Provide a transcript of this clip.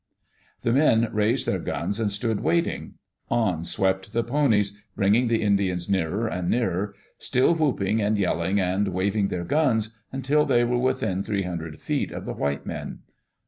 The men raised their guns and stood waiting. On swept the ponies, bringing the Indians nearer and nearer, still whooping and yelling and waving their guns, until they were within three hundred feet of the white men.